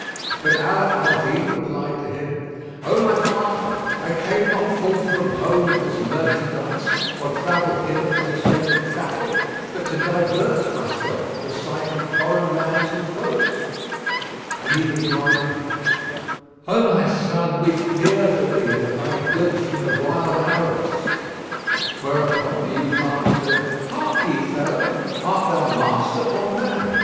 But Ala al Din replied to him, "O my father, I came not forth from home with this merchandise, or travelled hither for the sake of traffic, but to divert myself with the sight of foreign lands and folks;" and he rejoined, "O my son, we fear for thee and for thy goods from the wild Arabs." Whereupon the youth answered "Harkye, fellow, art thou master or man?